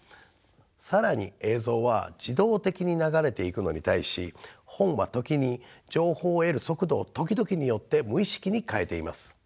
更に映像は自動的に流れていくのに対し本は時に情報を得る速度を時々によって無意識に変えています。